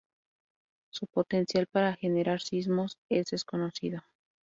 Su potencial para generar sismos es desconocido.